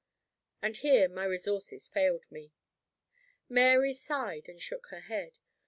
And here my resources failed me. Mary sighed, and shook her head.